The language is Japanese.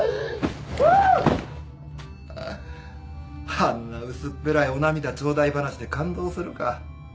あんな薄っぺらいお涙頂戴話で感動するか。